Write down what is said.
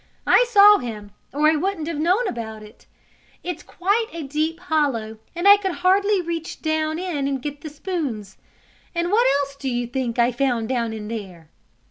I saw him, or I wouldn't have known about it. It's quite a deep hollow and I could hardly reach down in and get the spoons. And what else do you think I found down in there?"